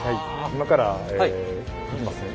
今から行きますね。